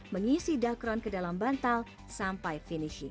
mengisi dakron ke dalam bantal sampai finishing